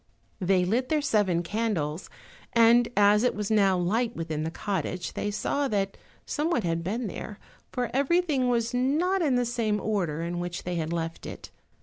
They lit their seven candles, and as it was now light within the cottage they saw that someone had been there, for everything was not in the same order in which they had left it.